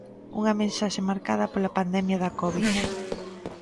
Unha mensaxe marcada pola pandemia da covid.